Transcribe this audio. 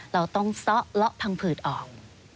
เราต้องซ่อเลาะพังผืดออก